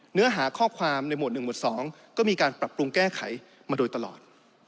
เนื้อหาข้อความในหมวด๑หวด๒ก็มีการปรับปรุงแก้ไขมาโดยตลอด